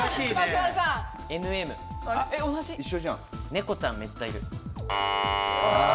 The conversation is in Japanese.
猫ちゃんめっちゃいる。